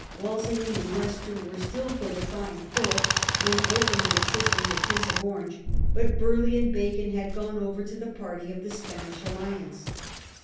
"Walsingham and Leicester were still for defying Philip, and openly assisting the Prince of Orange ; but Burleigh and Bacon had gone over to the party of the Spanish alliance.